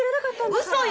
うそよ！